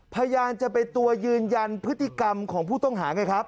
พยานจะเป็นตัวยืนยันพฤติกรรมของผู้ต้องหาไงครับ